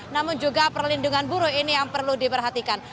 namun juga perlindungan buruh ini yang perlu diperhatikan